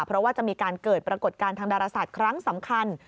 เพราะว่าจะมีการเกิดปรากฏการณ์ทางดาราศาสตร์ครั้งสำคัญ